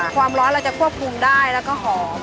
ความร้อนเราจะควบคุมได้แล้วก็หอม